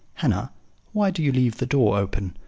] "'Hannah, why do you leave the door open?